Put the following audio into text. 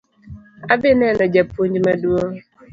Adhi neno japuonj maduong'